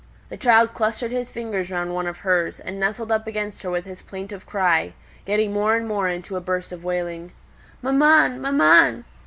The child clustered his fingers round one of hers, and nestled up against her with his plaintive cry, getting more and more into a burst of wailing: "Maman, maman!"